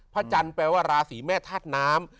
จันทร์แปลว่าราศีแม่ธาตุน้ำ